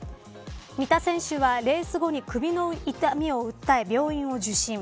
三田選手はレース後に首の痛みを訴え病院を受診。